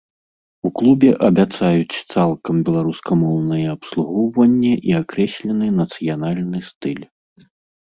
У клубе абяцаюць цалкам беларускамоўнае абслугоўванне і акрэслены нацыянальны стыль.